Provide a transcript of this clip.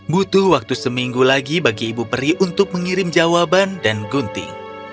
butuh waktu seminggu lagi bagi ibu peri untuk mengirim jawaban dan gunting